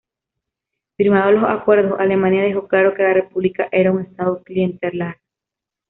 Firmados los acuerdos, Alemania dejó claro que la república era un estado clientelar.